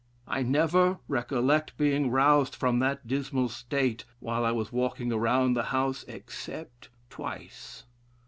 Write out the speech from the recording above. I never recollect being roused from that dismal state while I was walking about the house, except twice.